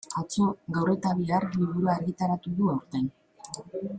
Atzo, gaur eta bihar liburua argitaratu du aurten.